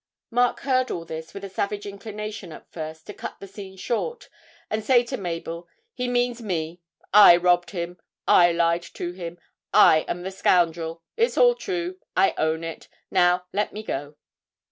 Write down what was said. Mark heard all this with a savage inclination at first to cut the scene short, and say to Mabel, 'He means Me. I robbed him! I lied to him! I am the scoundrel it's all true! I own it now let me go!'